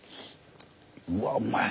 うわうまい！